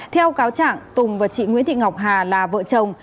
theo cáo trạng tùng và chị nguyễn thị ngọc hà là vợ chồng